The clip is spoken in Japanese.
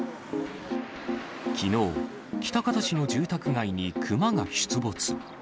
きのう、喜多方市の住宅街にクマが出没。